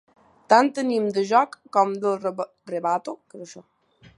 Tant tenim del joc com del «rebato».